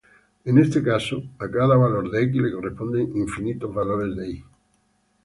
En este caso a cada valor de "x" le corresponden infinitos valores de "y".